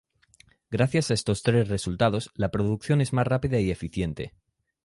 Gracias a estos tres resultados la producción es más rápida y eficiente.